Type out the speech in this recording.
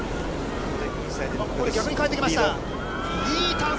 ここで逆に変えてきました。